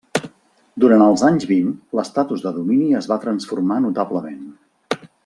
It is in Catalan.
Durant els anys vint, l'estatus de domini es va transformar notablement.